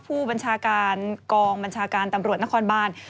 ผู้บัญชาการกองบัญชาการตำรวจนครบาน